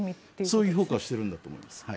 そういう評価をしているんだと思います。